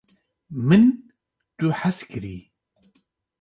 min tu hez kirî